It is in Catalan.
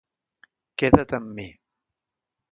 Queda't amb mi.